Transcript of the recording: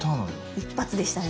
一発でしたね。